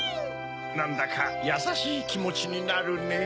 なんだかやさしいきもちになるねぇ。